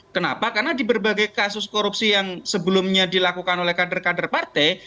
kenapa karena di berbagai kasus korupsi yang sebelumnya dilakukan oleh kader kader partai